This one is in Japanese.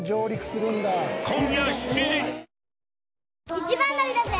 一番乗りだぜ！